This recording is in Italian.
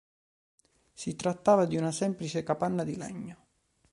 Si trattava di una semplice capanna in legno.